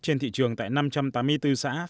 trên thị trường tại năm trăm tám mươi bốn xã